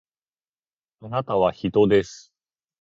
あなたは人です